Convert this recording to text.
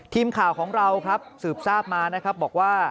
ทีมข่าวของเราครับสืบทราบมานะครับบอกว่า